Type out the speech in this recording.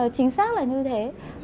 chính xác là như thế